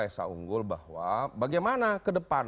esa unggul bahwa bagaimana ke depan